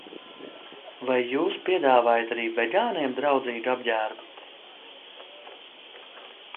Vai jūs piedāvājat arī vegāniem draudzīgu apģērbu?